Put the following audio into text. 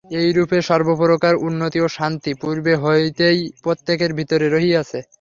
এইরূপে সর্বপ্রকার উন্নতি ও শক্তি পূর্ব হইতেই প্রত্যেকের ভিতরে রহিয়াছে।